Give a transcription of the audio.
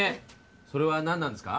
それは何なんですか？